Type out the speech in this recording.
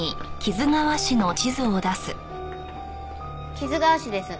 木津川市です。